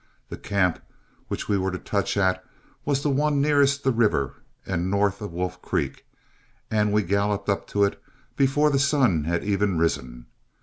The camp which we were to touch at was the one nearest the river and north of Wolf Creek, and we galloped up to it before the sun had even risen.